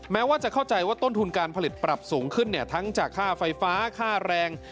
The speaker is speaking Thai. แม้ว่าจะเข้าใจว่าต้นทุนการผลิตปรับสูงขึ้นทั้งจากค่าไฟฟ้าค่าแรง